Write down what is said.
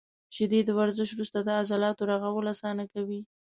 • شیدې د ورزش وروسته د عضلاتو رغول اسانه کوي.